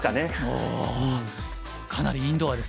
おおかなりインドアですね。